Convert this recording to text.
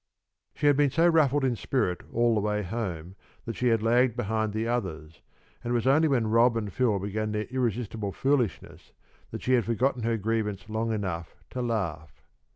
She had been so ruffled in spirit all the way home that she had lagged behind the others, and it was only when Rob and Phil began their irresistible foolishness that she had forgotten her grievance long enough to laugh.